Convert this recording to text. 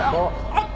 あっ。